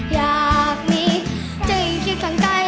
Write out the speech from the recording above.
อยากมีเธออย่างคิดข้างใกล้